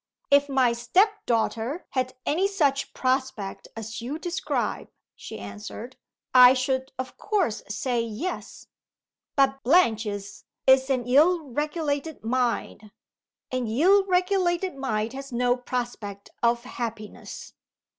"If my step daughter had any such prospect as you describe," she answered, "I should of course say, Yes. But Blanche's is an ill regulated mind. An ill regulated mind has no prospect of happiness."